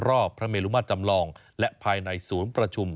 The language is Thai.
พระเมลุมาตรจำลองและภายในศูนย์ประชุม